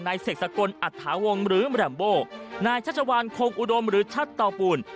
ในเศรษฐกลอัฐาวงศ์หรือมรัมโบนายชัชวานคงอุดมหรือชัตเตาปูน